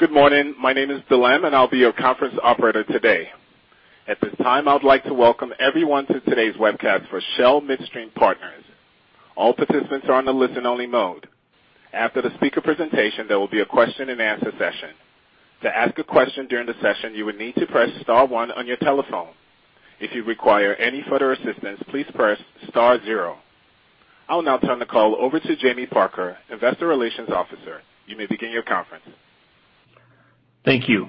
Good morning. My name is Delemm, and I'll be your conference operator today. At this time, I would like to welcome everyone to today's webcast for Shell Midstream Partners. All participants are on a listen-only mode. After the speaker presentation, there will be a question-and-answer session. To ask a question during the session, you would need to press star one on your telephone. If you require any further assistance, please press star zero. I'll now turn the call over to Jamie Parker, Investor Relations Officer. You may begin your conference. Thank you.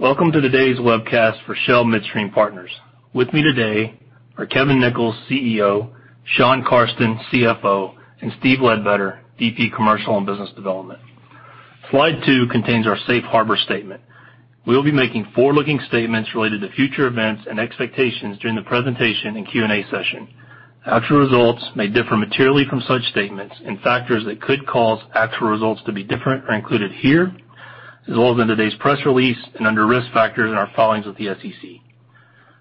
Welcome to today's webcast for Shell Midstream Partners. With me today are Kevin Nichols, CEO, Shawn Carsten, CFO, and Steve Ledbetter, VP, Commercial and Business Development. Slide two contains our safe harbor statement. We'll be making forward-looking statements related to future events and expectations during the presentation and Q&A session. Actual results may differ materially from such statements, and factors that could cause actual results to be different are included here, as well as in today's press release and under risk factors in our filings with the SEC.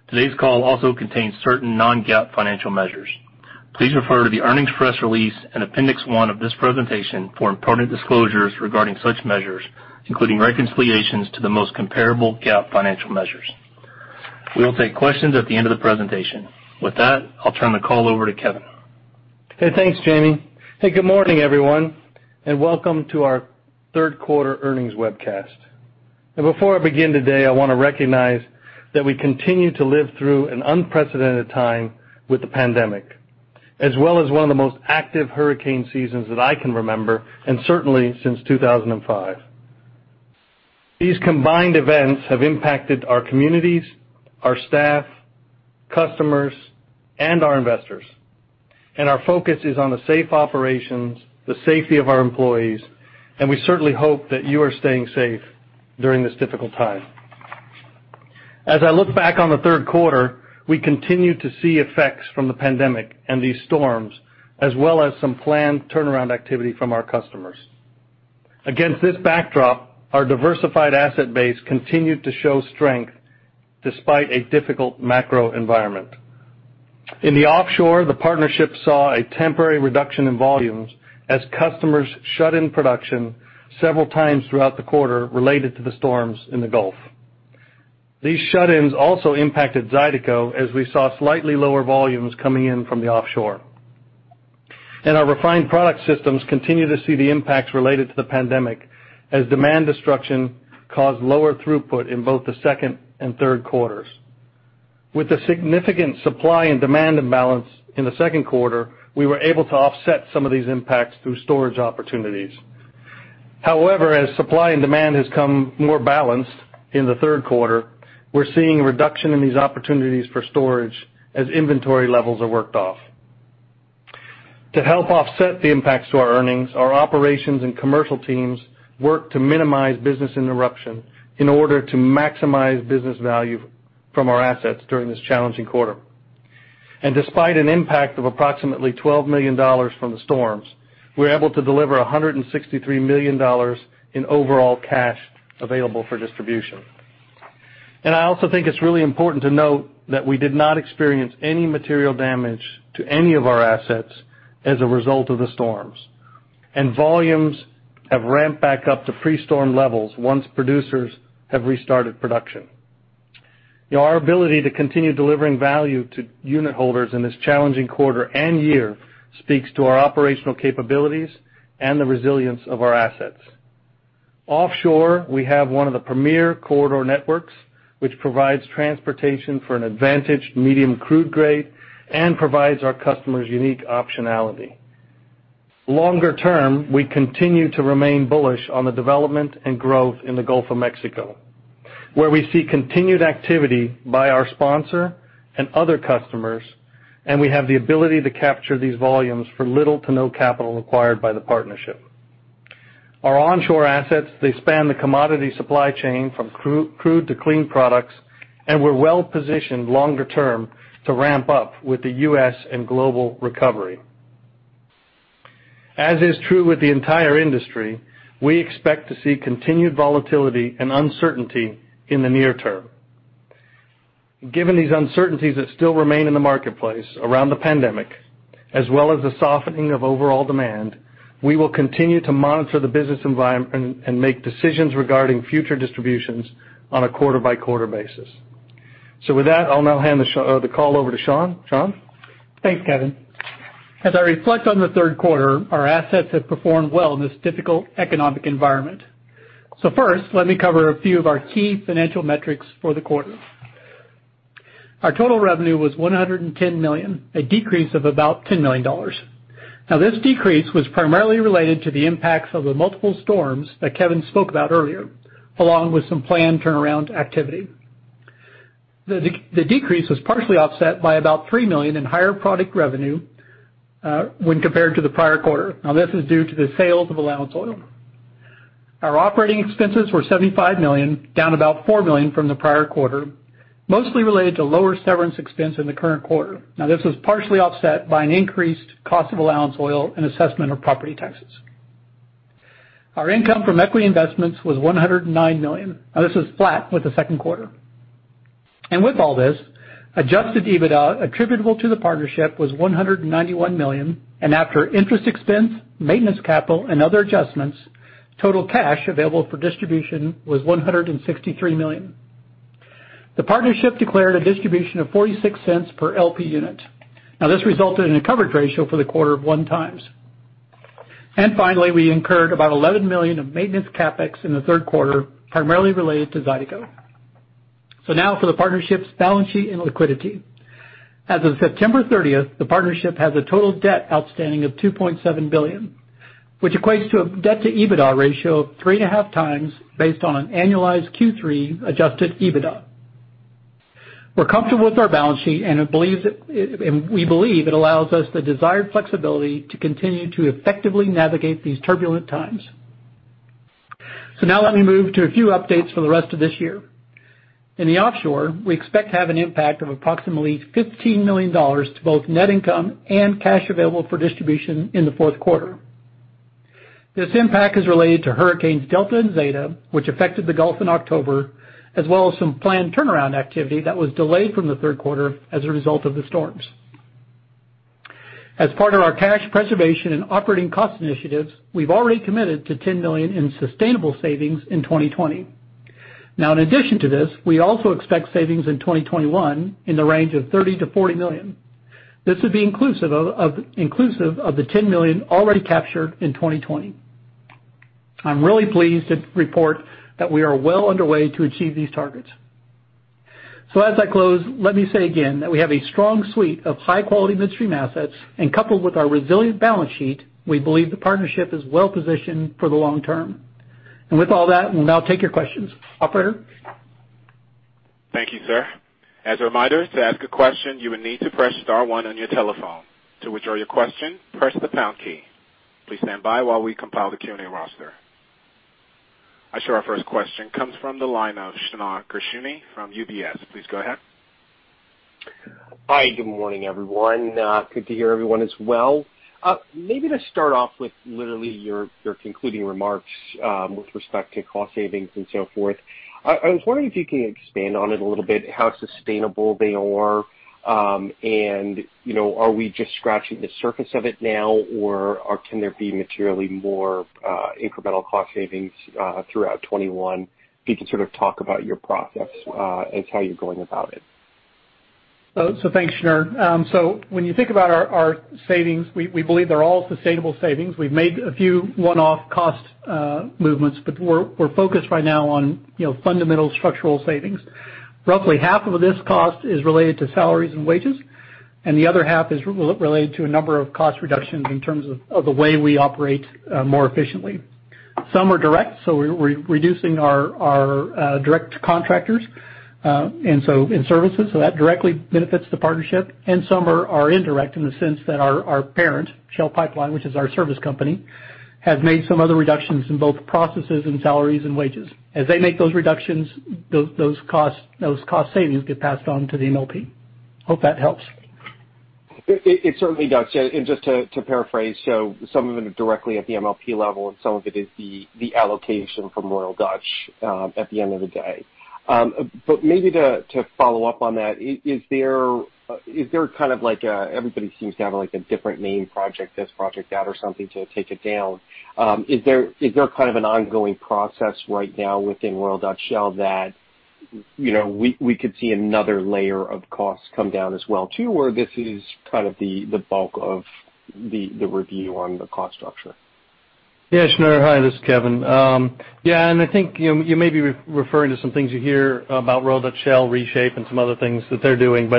Today's call also contains certain non-GAAP financial measures. Please refer to the earnings press release and appendix one of this presentation for important disclosures regarding such measures, including reconciliations to the most comparable GAAP financial measures. We will take questions at the end of the presentation. With that, I'll turn the call over to Kevin. Thanks, Jamie. Good morning, everyone, and welcome to our third quarter earnings webcast. Before I begin today, I want to recognize that we continue to live through an unprecedented time with the pandemic, as well as one of the most active hurricane seasons that I can remember, and certainly since 2005. These combined events have impacted our communities, our staff, customers, and our investors, and our focus is on the safe operations, the safety of our employees, and we certainly hope that you are staying safe during this difficult time. As I look back on the third quarter, we continue to see effects from the pandemic and these storms, as well as some planned turnaround activity from our customers. Against this backdrop, our diversified asset base continued to show strength despite a difficult macro environment. In the offshore, the partnership saw a temporary reduction in volumes as customers shut in production several times throughout the quarter related to the storms in the Gulf. These shut-ins also impacted Zydeco as we saw slightly lower volumes coming in from the offshore. Our Refined Product Systems continue to see the impacts related to the pandemic as demand destruction caused lower throughput in both the second and third quarters. With the significant supply and demand imbalance in the second quarter, we were able to offset some of these impacts through storage opportunities. However, as supply and demand has come more balanced in the third quarter, we're seeing a reduction in these opportunities for storage as inventory levels are worked off. To help offset the impacts to our earnings, our operations and commercial teams work to minimize Business Interruption in order to maximize business value from our assets during this challenging quarter. Despite an impact of approximately $12 million from the storms, we were able to deliver $163 million in overall cash available for distribution. I also think it's really important to note that we did not experience any material damage to any of our assets as a result of the storms. Volumes have ramped back up to pre-storm levels once producers have restarted production. Our ability to continue delivering value to unit holders in this challenging quarter and year speaks to our operational capabilities and the resilience of our assets. Offshore, we have one of the premier corridor networks, which provides transportation for an advantaged medium crude grade and provides our customers unique optionality. Longer term, we continue to remain bullish on the development and growth in the Gulf of Mexico, where we see continued activity by our sponsor and other customers, and we have the ability to capture these volumes for little to no capital required by the partnership. Our onshore assets, they span the commodity supply chain from crude to clean products, and we're well-positioned longer term to ramp up with the U.S. and global recovery. As is true with the entire industry, we expect to see continued volatility and uncertainty in the near term. Given these uncertainties that still remain in the marketplace around the pandemic, as well as the softening of overall demand, we will continue to monitor the business environment and make decisions regarding future distributions on a quarter-by-quarter basis. With that, I'll now hand the call over to Shawn. Shawn? Thanks, Kevin. As I reflect on the third quarter, our assets have performed well in this difficult economic environment. First, let me cover a few of our key financial metrics for the quarter. Our total revenue was $110 million, a decrease of about $10 million. This decrease was primarily related to the impacts of the multiple storms that Kevin spoke about earlier, along with some planned turnaround activity. The decrease was partially offset by about $3 million in higher product revenue, when compared to the prior quarter. This is due to the sales of allowance oil. Our operating expenses were $75 million, down about $4 million from the prior quarter, mostly related to lower severance expense in the current quarter. This was partially offset by an increased cost of allowance oil and assessment of property taxes. Our income from equity investments was $109 million. This was flat with the second quarter. With all this, adjusted EBITDA attributable to the partnership was $191 million, and after interest expense, maintenance capital, and other adjustments, total cash available for distribution was $163 million. The partnership declared a distribution of $0.46 per LP unit. This resulted in a coverage ratio for the quarter of one times. Finally, we incurred about $11 million of maintenance CapEx in the third quarter, primarily related to Zydeco. Now for the partnership's balance sheet and liquidity. As of September 30th, the partnership has a total debt outstanding of $2.7 billion, which equates to a debt to EBITDA ratio of three and a half times based on an annualized Q3 adjusted EBITDA. We're comfortable with our balance sheet, and we believe it allows us the desired flexibility to continue to effectively navigate these turbulent times. Let me move to a few updates for the rest of this year. In the offshore, we expect to have an impact of approximately $15 million to both net income and cash available for distribution in the fourth quarter. This impact is related to hurricanes Delta and Zeta, which affected the Gulf in October, as well as some planned turnaround activity that was delayed from the third quarter as a result of the storms. As part of our cash preservation and operating cost initiatives, we've already committed to $10 million in sustainable savings in 2020. In addition to this, we also expect savings in 2021 in the range of $30 million-$40 million. This would be inclusive of the $10 million already captured in 2020. I'm really pleased to report that we are well underway to achieve these targets. As I close, let me say again that we have a strong suite of high-quality midstream assets, and coupled with our resilient balance sheet, we believe the partnership is well-positioned for the long term. With all that, we'll now take your questions. Operator? Thank you, sir. As a reminder, to ask a question, you will need to press star one on your telephone. To withdraw your question, press the pound key. Please stand by while we compile the Q&A roster. I show our first question comes from the line of Shneur Gershuni from UBS. Please go ahead. Hi, good morning, everyone. Good to hear everyone is well. Maybe to start off with literally your concluding remarks with respect to cost savings and so forth, I was wondering if you could expand on it a little bit, how sustainable they are. Are we just scratching the surface of it now, or can there be materially more incremental cost savings throughout 2021? If you could sort of talk about your process and how you're going about it. Thanks, Shneur. When you think about our savings, we believe they're all sustainable savings. We've made a few one-off cost movements, but we're focused right now on fundamental structural savings. Roughly half of this cost is related to salaries and wages, and the other half is related to a number of cost reductions in terms of the way we operate more efficiently. Some are direct, so we're reducing our direct contractors and services, so that directly benefits the MLP. Some are indirect in the sense that our parent, Shell Pipeline, which is our service company, has made some other reductions in both processes and salaries and wages. As they make those reductions, those cost savings get passed on to the MLP. Hope that helps. It certainly does. Just to paraphrase, some of it is directly at the MLP level, and some of it is the allocation from Royal Dutch at the end of the day. Maybe to follow up on that, everybody seems to have a different name, project this, project that, or something to take it down. Is there kind of an ongoing process right now within Royal Dutch Shell that we could see another layer of costs come down as well too, or this is kind of the bulk of the review on the cost structure? Shneur. Hi, this is Kevin. I think you may be referring to some things you hear about Royal Dutch Shell reshape and some other things that they're doing.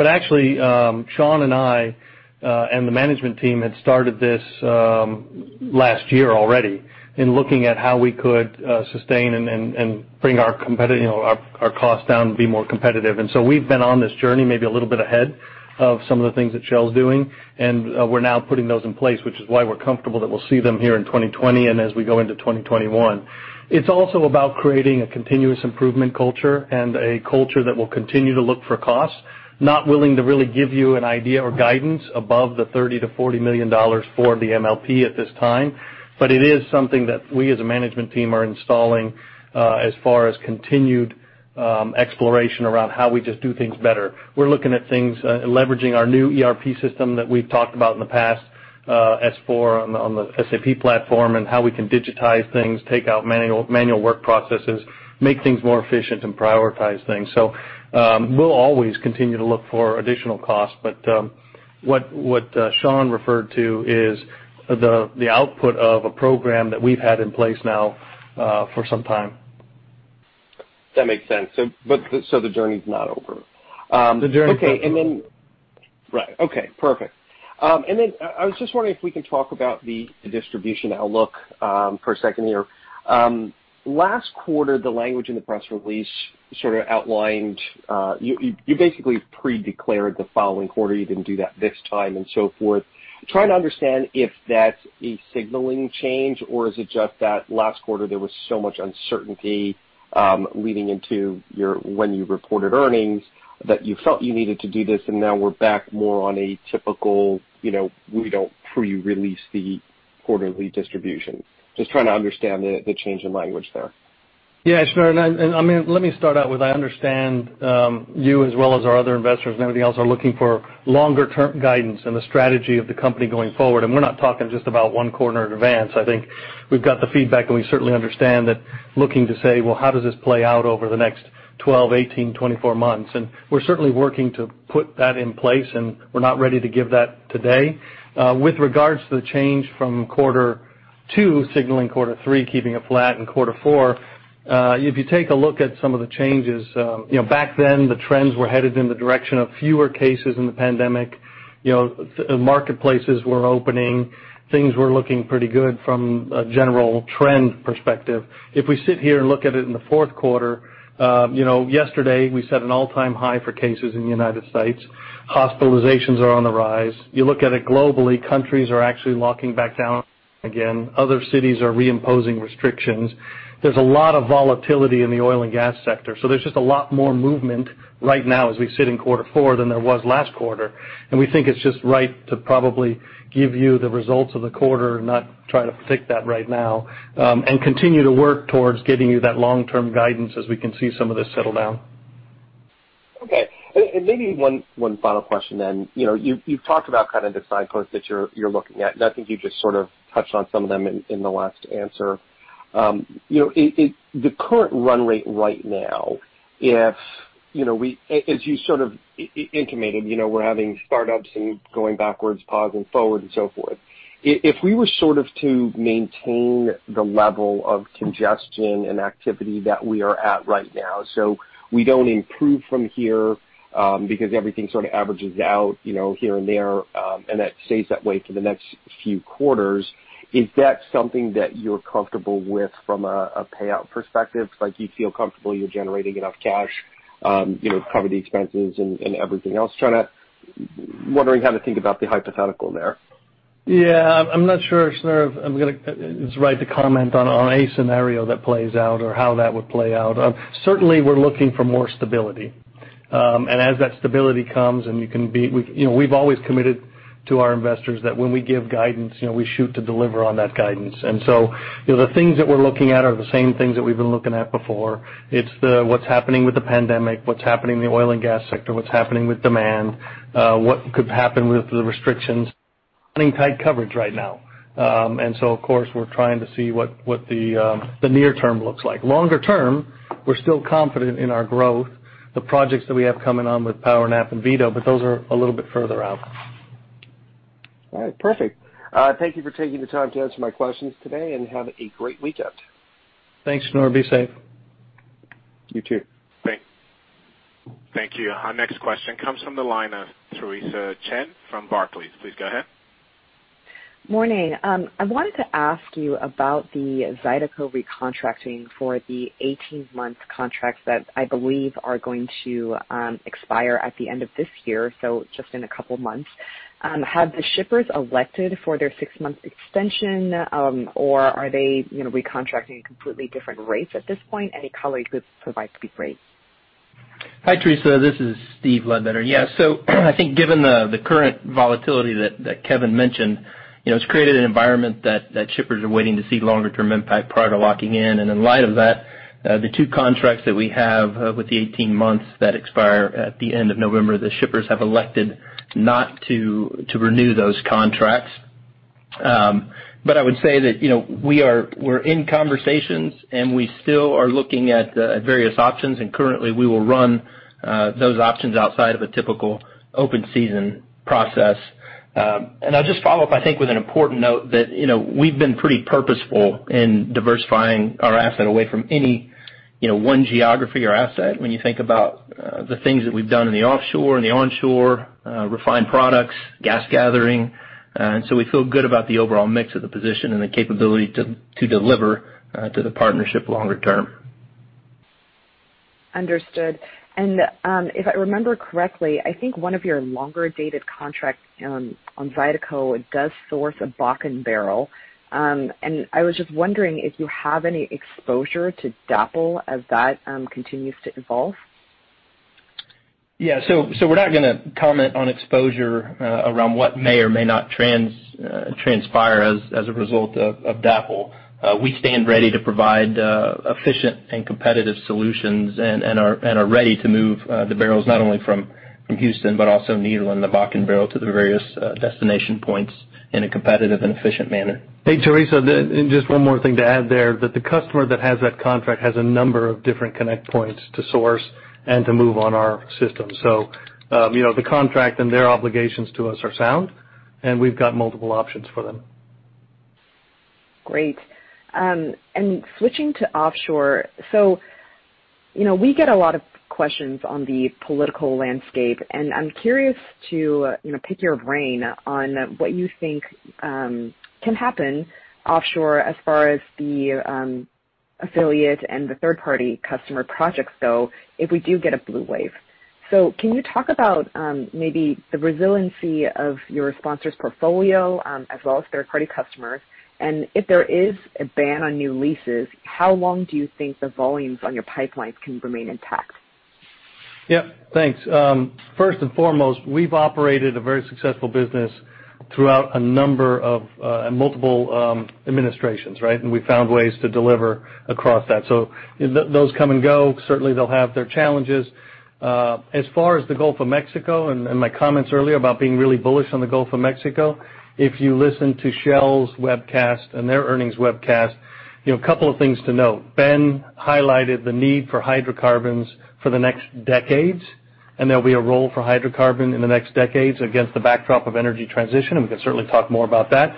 Actually, Shawn and I, and the management team had started this last year already in looking at how we could sustain and bring our costs down to be more competitive. We've been on this journey maybe a little bit ahead of some of the things that Shell's doing, and we're now putting those in place, which is why we're comfortable that we'll see them here in 2020 and as we go into 2021. It's also about creating a continuous improvement culture and a culture that will continue to look for costs. Not willing to really give you an idea or guidance above the $30 million-$40 million for the MLP at this time. It is something that we as a management team are installing as far as continued exploration around how we just do things better. We're looking at things, leveraging our new ERP system that we've talked about in the past, S/4 on the SAP platform, and how we can digitize things, take out manual work processes, make things more efficient, and prioritize things. We'll always continue to look for additional costs. What Shawn referred to is the output of a program that we've had in place now for some time. That makes sense. The journey's not over. The journey's not over. Right. Okay, perfect. I was just wondering if we can talk about the distribution outlook for a second here. Last quarter, the language in the press release sort of you basically pre-declared the following quarter, you didn't do that this time and so forth. I'm trying to understand if that's a signaling change or is it just that last quarter there was so much uncertainty leading into when you reported earnings that you felt you needed to do this, and now we're back more on a typical we don't pre-release the quarterly distribution. Just trying to understand the change in language there. Yeah, sure. Let me start out with, I understand you as well as our other investors and everybody else are looking for longer term guidance and the strategy of the company going forward. We're not talking just about one quarter in advance. I think we've got the feedback, and we certainly understand that looking to say, "Well, how does this play out over the next 12, 18, 24 months?" We're certainly working to put that in place, and we're not ready to give that today. With regards to the change from quarter two, signaling quarter three, keeping it flat in quarter four, if you take a look at some of the changes, back then the trends were headed in the direction of fewer cases in the pandemic. Marketplaces were opening. Things were looking pretty good from a general trend perspective. If we sit here and look at it in the fourth quarter, yesterday we set an all-time high for cases in the U.S. Hospitalizations are on the rise. You look at it globally, countries are actually locking back down again. Other cities are re-imposing restrictions. There's a lot of volatility in the oil and gas sector. There's just a lot more movement right now as we sit in quarter four than there was last quarter. And we think it's just right to probably give you the results of the quarter and not try to pick that right now, and continue to work towards getting you that long-term guidance as we can see some of this settle down. Okay. And maybe one final question then. You've talked about kind of the signposts that you're looking at, and I think you just sort of touched on some of them in the last answer. The current run rate right now, as you sort of intimated, we're having startups and going backwards, pausing, forward, and so forth. If we were sort of to maintain the level of congestion and activity that we are at right now, so we don't improve from here because everything sort of averages out here and there, and that stays that way for the next few quarters, is that something that you're comfortable with from a payout perspective? Do you feel comfortable you're generating enough cash to cover the expenses and everything else? Wondering how to think about the hypothetical there. Yeah. I'm not sure, Shneur, if it's right to comment on a scenario that plays out or how that would play out. Certainly, we're looking for more stability. As that stability comes, and we've always committed to our investors that when we give guidance, we shoot to deliver on that guidance. The things that we're looking at are the same things that we've been looking at before. It's what's happening with the pandemic, what's happening in the oil and gas sector, what's happening with demand, what could happen with the restrictions. Running tight coverage right now. Of course, we're trying to see what the near term looks like. Longer term, we're still confident in our growth, the projects that we have coming on with PowerNap and Vito, but those are a little bit further out. All right. Perfect. Thank you for taking the time to answer my questions today, and have a great weekend. Thanks, Shneur. Be safe. You too. Thank you. Our next question comes from the line of Theresa Chen from Barclays. Please go ahead. Morning. I wanted to ask you about the Zydeco recontracting for the 18-month contracts that I believe are going to expire at the end of this year, so just in a couple of months. Have the shippers elected for their six-month extension, or are they recontracting completely different rates at this point? Any color you could provide to the rates? Hi, Theresa. This is Steve Ledbetter. Yeah. I think given the current volatility that Kevin mentioned, it's created an environment that shippers are waiting to see longer-term impact prior to locking in. In light of that, the two contracts that we have with the 18 months that expire at the end of November, the shippers have elected not to renew those contracts. I would say that we're in conversations, and we still are looking at various options, and currently we will run those options outside of a typical open season process. I'll just follow up, I think, with an important note that we've been pretty purposeful in diversifying our asset away from any one geography or asset when you think about the things that we've done in the offshore and the onshore, refined products, gas gathering. We feel good about the overall mix of the position and the capability to deliver to the partnership longer term. Understood. If I remember correctly, I think one of your longer-dated contracts on Zydeco does source a Bakken barrel. I was just wondering if you have any exposure to DAPL as that continues to evolve. Yeah. We're not going to comment on exposure around what may or may not transpire as a result of DAPL. We stand ready to provide efficient and competitive solutions and are ready to move the barrels, not only from Houston, but also Nederland and the Bakken barrel to the various destination points in a competitive and efficient manner. Theresa, just one more thing to add there, that the customer that has that contract has a number of different connect points to source and to move on our system. The contract and their obligations to us are sound, and we've got multiple options for them. Great. Switching to offshore. We get a lot of questions on the political landscape, and I'm curious to pick your brain on what you think can happen offshore as far as the affiliate and the third-party customer projects go if we do get a blue wave. Can you talk about maybe the resiliency of your sponsor's portfolio as well as third-party customers? If there is a ban on new leases, how long do you think the volumes on your pipelines can remain intact? Yeah, thanks. First and foremost, we've operated a very successful business throughout a number of multiple administrations, right? We've found ways to deliver across that. Those come and go. Certainly, they'll have their challenges. As far as the Gulf of Mexico and my comments earlier about being really bullish on the Gulf of Mexico, if you listen to Shell's webcast and their earnings webcast, a couple of things to note. Ben highlighted the need for hydrocarbons for the next decades, and there'll be a role for hydrocarbon in the next decades against the backdrop of energy transition, and we can certainly talk more about that.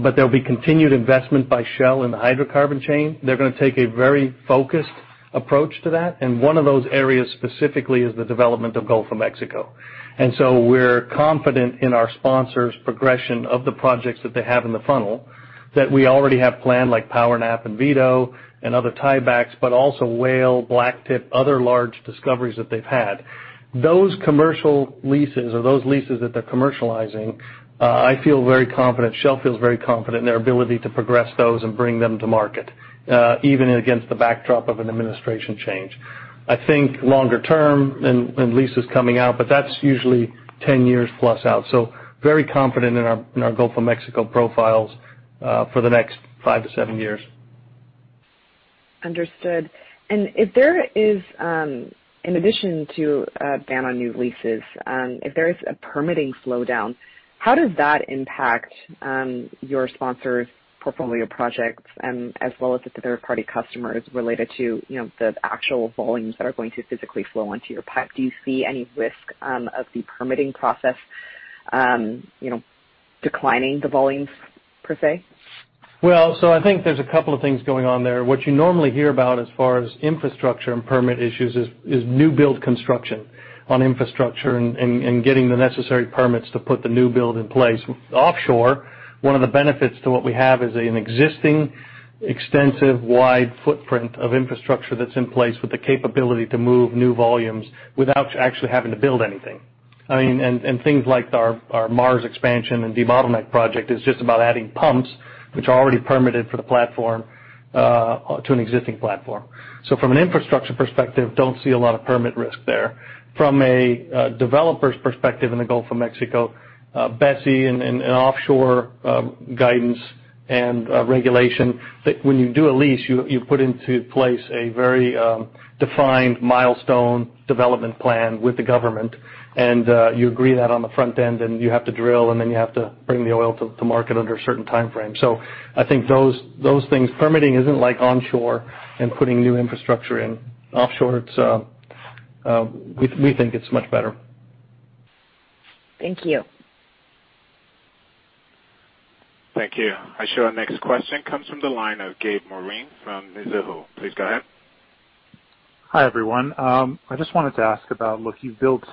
There'll be continued investment by Shell in the hydrocarbon chain. They're going to take a very focused approach to that. One of those areas specifically is the development of Gulf of Mexico. We're confident in our sponsors' progression of the projects that they have in the funnel that we already have planned, like PowerNap and Vito and other tie-backs, but also Whale, Blacktip, other large discoveries that they've had. Those commercial leases or those leases that they're commercializing, I feel very confident, Shell feels very confident in their ability to progress those and bring them to market, even against the backdrop of an administration change. I think longer term than leases coming out, that's usually 10 years plus out. Very confident in our Gulf of Mexico profiles for the next five to seven years. Understood. If there is, in addition to a ban on new leases, if there is a permitting slowdown, how does that impact your sponsor's portfolio projects as well as the third-party customers related to the actual volumes that are going to physically flow into your pipe? Do you see any risk of the permitting process declining the volumes, per se? I think there's a couple of things going on there. What you normally hear about as far as infrastructure and permit issues is new build construction on infrastructure and getting the necessary permits to put the new build in place. Offshore, one of the benefits to what we have is an existing extensive wide footprint of infrastructure that's in place with the capability to move new volumes without actually having to build anything. Things like our Mars expansion and debottleneck project is just about adding pumps, which are already permitted for the platform, to an existing platform. From an infrastructure perspective, don't see a lot of permit risk there. From a developer's perspective in the Gulf of Mexico, BSEE and offshore guidance and regulation, when you do a lease, you put into place a very defined milestone development plan with the government, and you agree that on the front end, and you have to drill, and then you have to bring the oil to market under a certain timeframe. I think those things. Permitting isn't like onshore and putting new infrastructure in. Offshore, we think it's much better. Thank you. Thank you. I show our next question comes from the line of Gabe Moreen from Mizuho. Please go ahead. Hi, everyone. I just wanted to ask about, look, you've built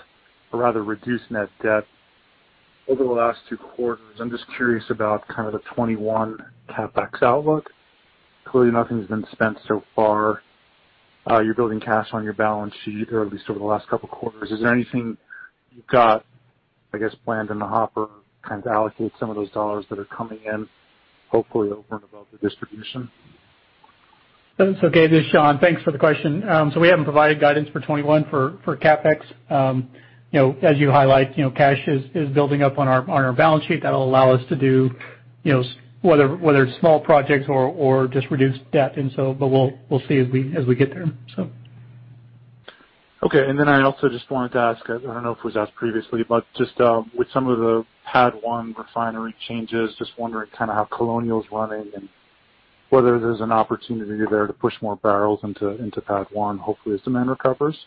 a rather reduced net debt over the last two quarters. I'm just curious about kind of the 2021 CapEx outlook. Clearly, nothing's been spent so far. You're building cash on your balance sheet, or at least over the last couple of quarters. Is there anything you've got, I guess, planned in the hopper, kind of to allocate some of those dollars that are coming in, hopefully over and above the distribution? Thanks. Gabe, this is Shawn. Thanks for the question. We haven't provided guidance for 2021 for CapEx. As you highlight, cash is building up on our balance sheet. That'll allow us to do whether it's small projects or just reduce debt. We'll see as we get there. Okay. I also just wanted to ask, I don't know if it was asked previously, but just with some of the PADD 1 refinery changes, just wondering kind of how Colonial is running and whether there's an opportunity there to push more barrels into PADD 1, hopefully as demand recovers.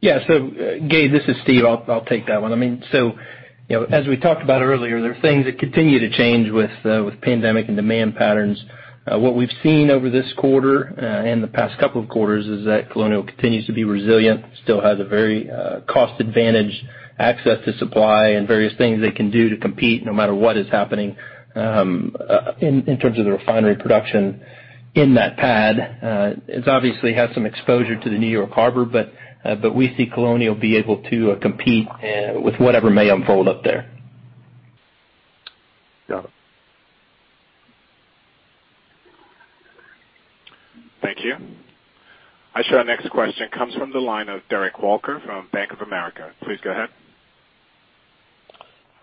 Gabe, this is Steve. I will take that one. As we talked about earlier, there are things that continue to change with pandemic and demand patterns. What we have seen over this quarter, and the past couple of quarters, is that Colonial continues to be resilient, still has a very cost advantage access to supply and various things they can do to compete no matter what is happening in terms of the refinery production in that PADD. It obviously has some exposure to the New York Harbor, but we see Colonial be able to compete with whatever may unfold up there. Got it. Thank you. I show our next question comes from the line of Derek Walker from Bank of America. Please go ahead.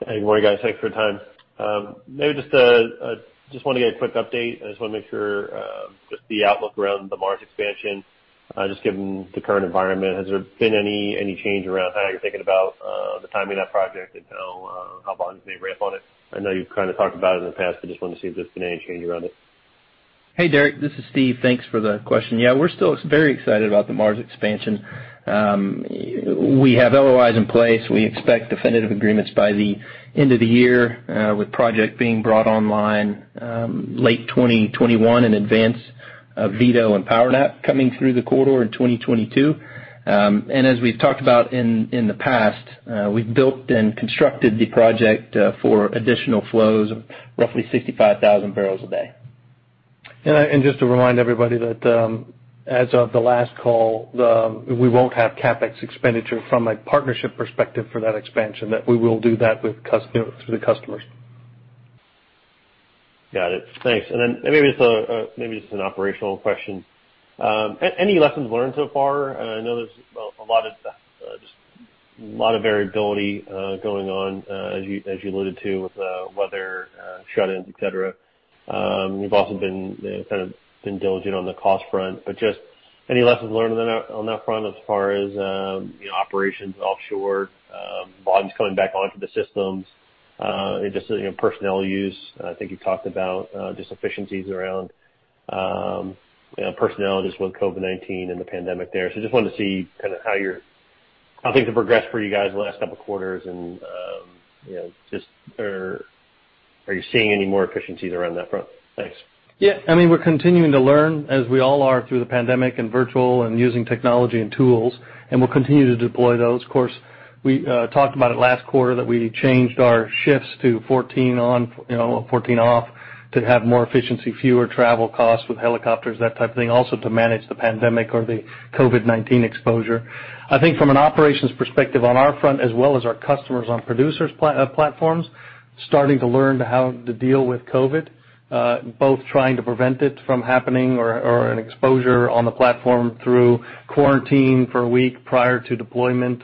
Hey, good morning, guys. Thanks for the time. Maybe just want to get a quick update. I just want to make sure, just the outlook around the Mars expansion, just given the current environment, has there been any change around how you are thinking about the timing of that project and how volumes may ramp on it? I know you have kind of talked about it in the past. I just wanted to see if there has been any change around it. Hey, Derek. This is Steve. Thanks for the question. Yeah, we're still very excited about the Mars expansion. We have LOIs in place. We expect definitive agreements by the end of the year, with project being brought online late 2021 in advance of Vito and PowerNap coming through the corridor in 2022. As we've talked about in the past, we've built and constructed the project for additional flows of roughly 65,000 barrels a day. Just to remind everybody that as of the last call, we won't have CapEx expenditure from a partnership perspective for that expansion, that we will do that through the customers. Got it. Thanks. Then maybe this is an operational question. Any lessons learned so far? I know there's a lot of variability going on, as you alluded to, with weather shut-ins, et cetera. You've also been diligent on the cost front, but just any lessons learned on that front as far as operations offshore, volumes coming back onto the systems, and just personnel use? I think you talked about just efficiencies around personnel just with COVID-19 and the pandemic there. Just wanted to see how things have progressed for you guys the last couple of quarters and are you seeing any more efficiencies around that front? Thanks. Yeah. We're continuing to learn, as we all are, through the pandemic and virtual and using technology and tools, and we'll continue to deploy those. Of course, we talked about it last quarter, that we changed our shifts to 14 on, 14 off to have more efficiency, fewer travel costs with helicopters, that type of thing. Also to manage the pandemic or the COVID-19 exposure. I think from an operations perspective on our front, as well as our customers on producers' platforms, starting to learn how to deal with COVID, both trying to prevent it from happening or an exposure on the platform through quarantine for a week prior to deployment,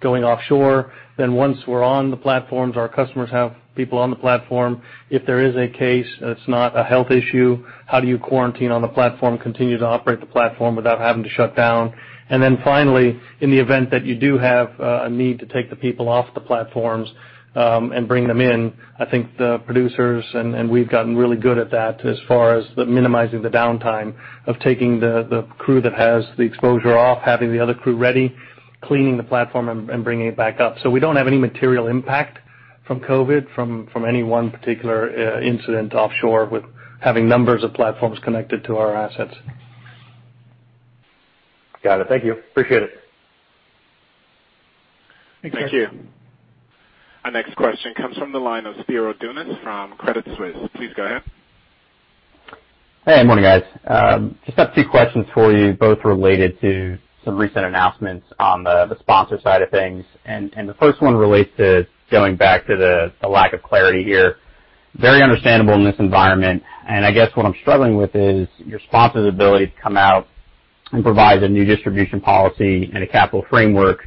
going offshore. Once we're on the platforms, our customers have people on the platform. If there is a case, it's not a health issue. How do you quarantine on the platform, continue to operate the platform without having to shut down? Finally, in the event that you do have a need to take the people off the platforms and bring them in, I think the producers and we've gotten really good at that as far as minimizing the downtime of taking the crew that has the exposure off, having the other crew ready, cleaning the platform, and bringing it back up. We don't have any material impact from COVID from any one particular incident offshore with having numbers of platforms connected to our assets. Got it. Thank you. Appreciate it. Thanks. Thank you. Our next question comes from the line of Spiro Dounis from Credit Suisse. Please go ahead. Hey, morning, guys. Just have two questions for you, both related to some recent announcements on the sponsor side of things. The first one relates to going back to the lack of clarity here. Very understandable in this environment, and I guess what I'm struggling with is your sponsor's ability to come out and provide a new distribution policy and a capital framework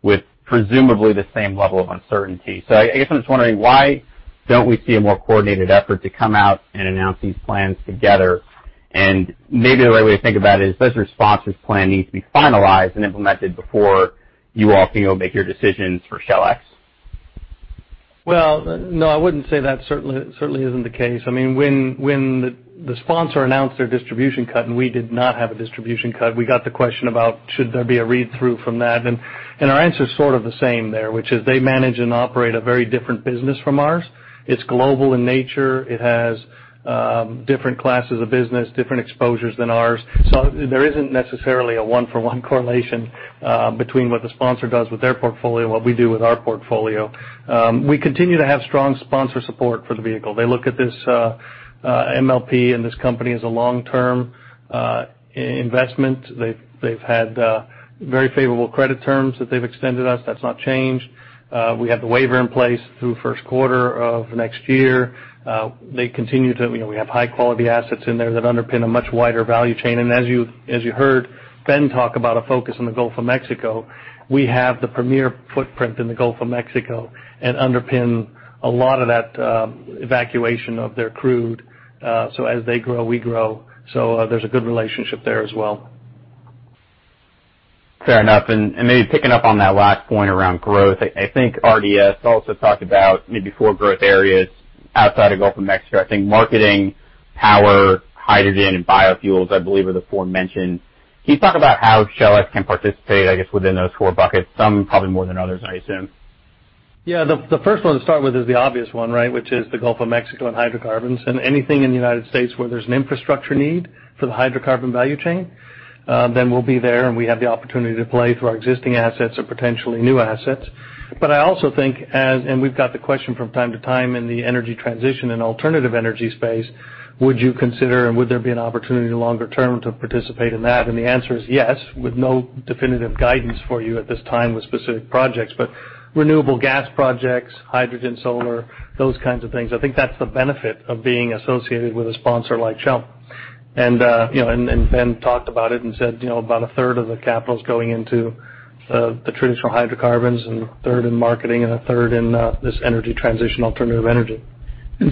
with presumably the same level of uncertainty. I guess I'm just wondering, why don't we see a more coordinated effort to come out and announce these plans together? Maybe the right way to think about it is, does your sponsor's plan need to be finalized and implemented before you all can go make your decisions for SHLX? Well, no, I wouldn't say that. Certainly isn't the case. When the sponsor announced their distribution cut, and we did not have a distribution cut, we got the question about should there be a read-through from that. Our answer is sort of the same there, which is they manage and operate a very different business from ours. It's global in nature. It has different classes of business, different exposures than ours. There isn't necessarily a one-for-one correlation between what the sponsor does with their portfolio and what we do with our portfolio. We continue to have strong sponsor support for the vehicle. They look at this MLP and this company as a long-term investment. They've had very favorable credit terms that they've extended us. That's not changed. We have the waiver in place through first quarter of next year. We have high-quality assets in there that underpin a much wider value chain. As you heard Ben talk about a focus on the Gulf of Mexico, we have the premier footprint in the Gulf of Mexico and underpin a lot of that evacuation of their crude. As they grow, we grow. There's a good relationship there as well. Fair enough. Maybe picking up on that last point around growth, I think RDS also talked about maybe four growth areas outside of Gulf of Mexico. I think marketing, power, hydrogen, and biofuels, I believe, are the four mentioned. Can you talk about how SHLX can participate, I guess, within those four buckets? Some probably more than others, I assume. Yeah. The first one to start with is the obvious one, which is the Gulf of Mexico and hydrocarbons. Anything in the United States where there's an infrastructure need for the hydrocarbon value chain, then we'll be there, and we have the opportunity to play through our existing assets or potentially new assets. I also think as we've got the question from time to time in the energy transition and alternative energy space, would you consider and would there be an opportunity longer term to participate in that? The answer is yes, with no definitive guidance for you at this time with specific projects. Renewable gas projects, hydrogen, solar, those kinds of things. I think that's the benefit of being associated with a sponsor like Shell. Ben talked about it and said about a third of the capital is going into the traditional hydrocarbons and a third in marketing and a third in this energy transition, alternative energy.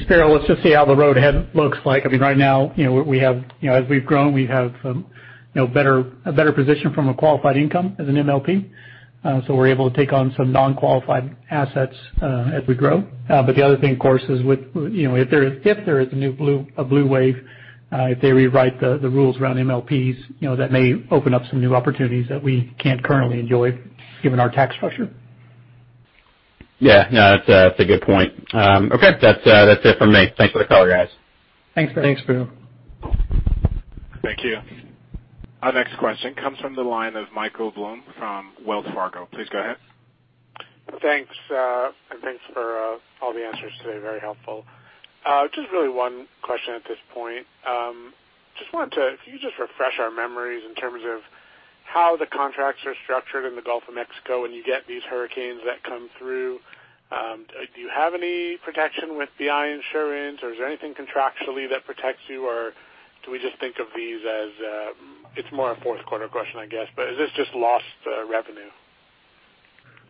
Spiro, let's just see how the road ahead looks like. Right now, as we've grown, we have a better position from a qualifying income as an MLP. We're able to take on some non-qualified assets as we grow. The other thing, of course, is if there is a blue wave, if they rewrite the rules around MLPs, that may open up some new opportunities that we can't currently enjoy given our tax structure. Yeah. No, that's a good point. Okay. That's it for me. Thanks for the call, guys. Thanks. Thanks, Spiro. Thank you. Our next question comes from the line of Michael Blum from Wells Fargo. Please go ahead. Thanks. Thanks for all the answers today. Very helpful. Just really one question at this point. Can you just refresh our memories in terms of how the contracts are structured in the Gulf of Mexico when you get these hurricanes that come through, do you have any protection with BI insurance or is there anything contractually that protects you? Do we just think of these as? It's more a fourth quarter question, I guess. Is this just lost revenue?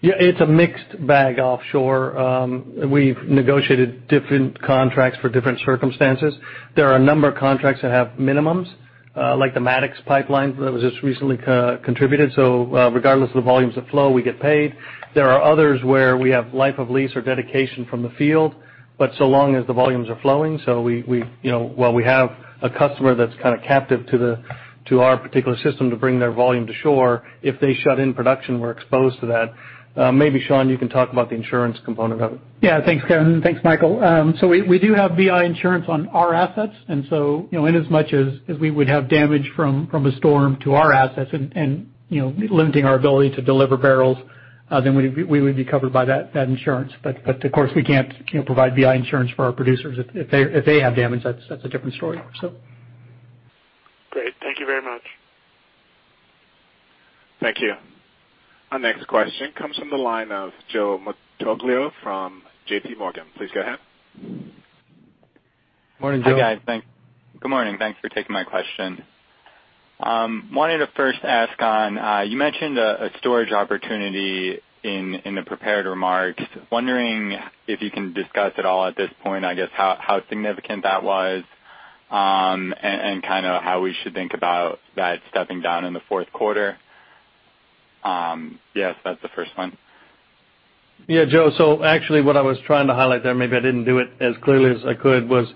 Yeah. It's a mixed bag offshore. We've negotiated different contracts for different circumstances. There are a number of contracts that have minimums, like the Mattox Pipeline that was just recently contributed. Regardless of the volumes that flow, we get paid. There are others where we have life of lease or dedication from the field, but so long as the volumes are flowing. While we have a customer that's kind of captive to our particular system to bring their volume to shore, if they shut in production, we're exposed to that. Maybe, Shawn, you can talk about the insurance component of it. Yeah. Thanks, Kevin. Thanks, Michael. We do have BI insurance on our assets, and inasmuch as we would have damage from a storm to our assets and limiting our ability to deliver barrels, we would be covered by that insurance. Of course, we can't provide BI insurance for our producers. If they have damage, that's a different story. Great. Thank you very much. Thank you. Our next question comes from the line of Joe Martoglio from JPMorgan. Please go ahead. Morning, Joe. Hi, guys. Good morning. Thanks for taking my question. Wanted to first ask on, you mentioned a storage opportunity in the prepared remarks. Wondering if you can discuss at all at this point, I guess, how significant that was, and how we should think about that stepping down in the fourth quarter. Yes, that's the first one. Yeah, Joe. Actually, what I was trying to highlight there, maybe I didn't do it as clearly as I could, was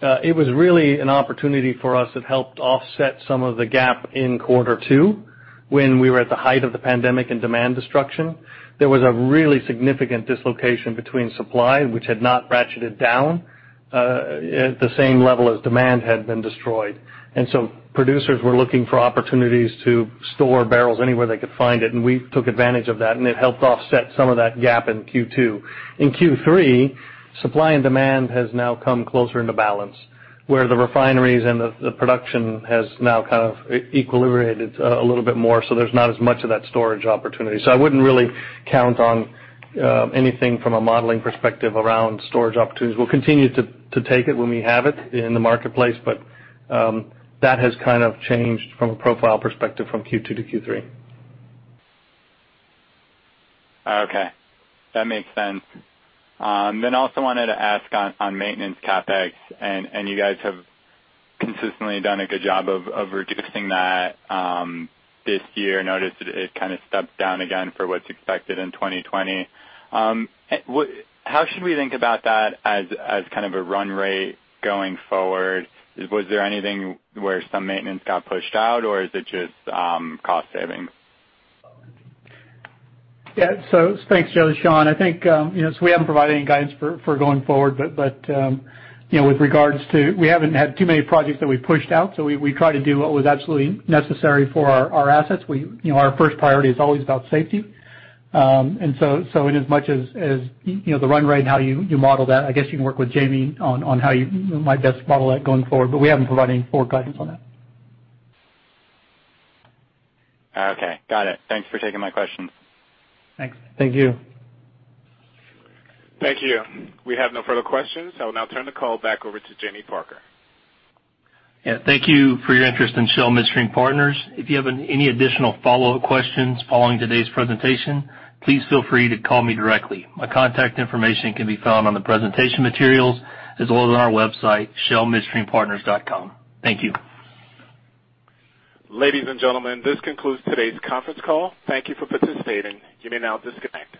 it was really an opportunity for us that helped offset some of the gap in Q2 when we were at the height of the pandemic and demand destruction. There was a really significant dislocation between supply, which had not ratcheted down at the same level as demand had been destroyed. Producers were looking for opportunities to store barrels anywhere they could find it, and we took advantage of that, and it helped offset some of that gap in Q2. In Q3, supply and demand has now come closer into balance, where the refineries and the production has now kind of equilibrated a little bit more, so there's not as much of that storage opportunity. I wouldn't really count on anything from a modeling perspective around storage opportunities. We'll continue to take it when we have it in the marketplace, but that has kind of changed from a profile perspective from Q2 to Q3. Okay. That makes sense. Also wanted to ask on maintenance CapEx, you guys have consistently done a good job of reducing that this year. Noticed it kind of stepped down again for what's expected in 2020. How should we think about that as kind of a run rate going forward? Was there anything where some maintenance got pushed out or is it just cost savings? Yeah. Thanks, Joe. Shawn. I think, we haven't provided any guidance for going forward, but We haven't had too many projects that we've pushed out. We tried to do what was absolutely necessary for our assets. Our first priority is always about safety. Inasmuch as the run rate and how you model that, I guess you can work with Jamie on how you might best model that going forward. We haven't provided any forward guidance on that. Okay. Got it. Thanks for taking my questions. Thanks. Thank you. Thank you. We have no further questions. I'll now turn the call back over to Jamie Parker. Yeah. Thank you for your interest in Shell Midstream Partners. If you have any additional follow-up questions following today's presentation, please feel free to call me directly. My contact information can be found on the presentation materials as well as on our website, shellmidstreampartners.com. Thank you. Ladies and gentlemen, this concludes today's conference call. Thank you for participating. You may now disconnect.